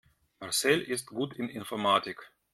Marcel ist gut in Informatik.